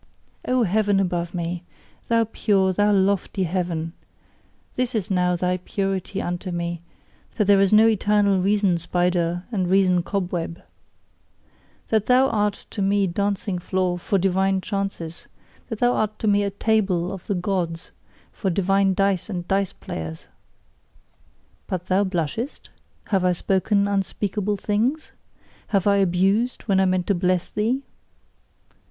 O heaven above me! thou pure, thou lofty heaven! This is now thy purity unto me, that there is no eternal reason spider and reason cobweb: That thou art to me a dancing floor for divine chances, that thou art to me a table of the Gods, for divine dice and dice players! But thou blushest? Have I spoken unspeakable things? Have I abused, when I meant to bless thee?